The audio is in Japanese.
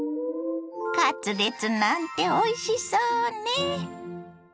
カツレツなんておいしそうね。